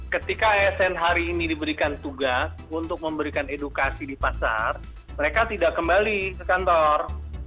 ketika asn hari ini diberikan tugas untuk memberikan edukasi di pasar mereka tidak kembali ke kantor